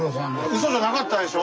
うそじゃなかったでしょ。